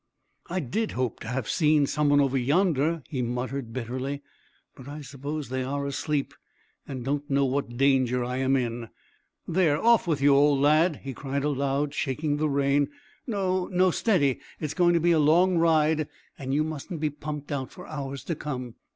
"I did hope to have seen some one over yonder," he muttered bitterly, "but I suppose they are asleep and don't know what danger I am in. There, off with you, old lad," he cried aloud, shaking the rein. "No, no steady; it's going to be a long ride, and you mustn't be pumped out for hours to come.